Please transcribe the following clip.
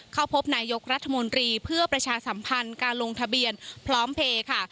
เข้าพบนายกรัฐมนตรีเพื่อประชาสัมพันธ์การลงทะเบียนพร้อมเพลย์ค่ะ